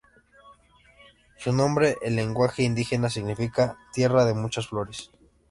Su nombre, en lenguaje indígena significa "tierra de muchas flores".